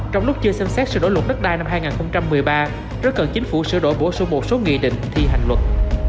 trong lúc chưa xem xét sự đổi luật đất đai năm hai nghìn một mươi ba rất cần chính phủ sửa đổi bổ sung một số nghị định thi hành luật